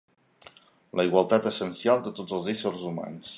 La igualtat essencial de tots els éssers humans.